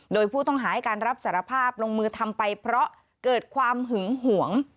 โดยผู้ต้องหาให้การรับสารภาพลงมือทำไปเพราะเกิดความหึงหวง